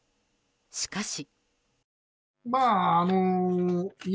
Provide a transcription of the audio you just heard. しかし。